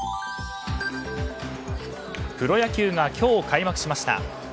プロ野球が今日開幕しました。